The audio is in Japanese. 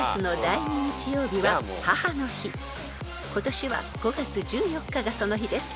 ［今年は５月１４日がその日です］